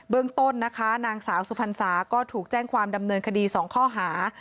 เรื่องต้นนะคะนางสาวสุพรรณสาก็ถูกแจ้งความดำเนินคดี๒ข้อหา